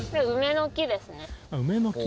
梅の木。